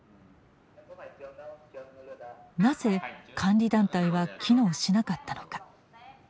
なぜ監理団体は機能しなかったのか。